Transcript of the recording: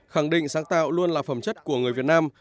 khẳng định sáng tạo luôn là phẩm chất của người việt nam